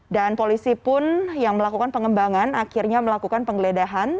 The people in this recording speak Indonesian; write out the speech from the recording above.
dan polisi pun yang melakukan pengembangan akhirnya melakukan penggeledahan